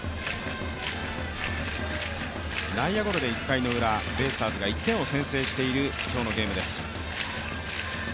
内野ゴロで１回のウラベイスターズが１点を先制している今日のゲームです。